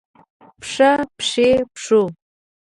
پښه ، پښې ، پښو